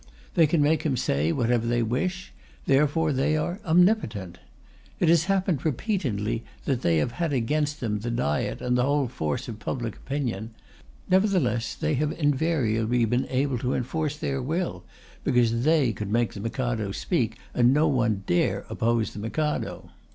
They can make him say whatever they wish; therefore they are omnipotent. It has happened repeatedly that they have had against them the Diet and the whole force of public opinion; nevertheless they have invariably been able to enforce their will, because they could make the Mikado speak, and no one dare oppose the Mikado.